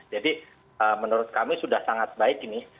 jadi menurut kami sudah sangat baik ini